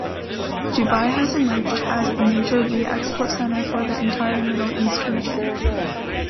Dubai has emerged as the major re-export center for the entire Middle East region.